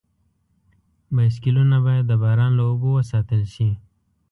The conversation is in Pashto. بایسکلونه باید د باران له اوبو وساتل شي.